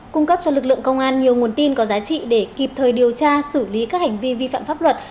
cung cấp cho lực lượng công an nhiều nguồn tin có giá trị để kịp thời điều tra xử lý các hành vi vi phạm pháp luật